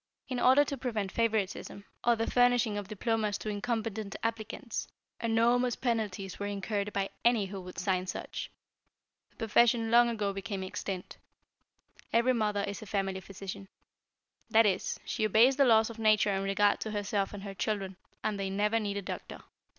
In order to prevent favoritism, or the furnishing of diplomas to incompetent applicants, enormous penalties were incurred by any who would sign such. The profession long ago became extinct. Every mother is a family physician. That is, she obeys the laws of nature in regard to herself and her children, and they never need a doctor.